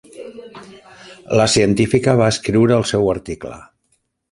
La científica va escriure el seu article.